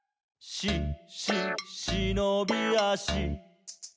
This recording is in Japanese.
「し・し・しのびあし」